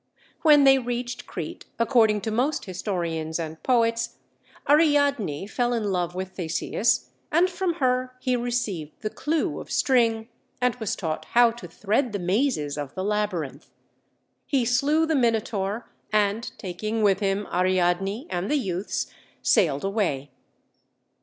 When they reached Crete, according to most historians and poets, Ariadne fell in love with Theseus, and from her he received the clew of string, and was taught how to thread the mazes of the Labyrinth. He slew the Minotaur, and, taking with him Ariadne and the youths, sailed away.